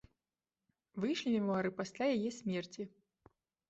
Выйшлі мемуары пасля яе смерці.